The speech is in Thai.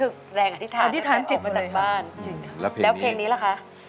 กลางอดิษฐานอยู่แบบออกมาจากบ้านแล้วเพลงนี้ละคะ